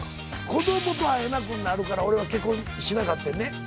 子供と会えなくなるから俺は結婚しなかってんね。